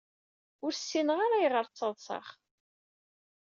Ur ssineɣ ara ayɣer ttaḍseɣ.